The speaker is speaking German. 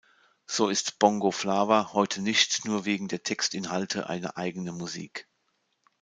So ist Bongo Flava heute nicht nur wegen der Textinhalte eine eigene Musik.